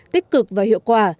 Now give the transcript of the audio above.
tích cực và hiệu quả